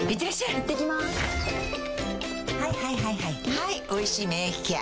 はい「おいしい免疫ケア」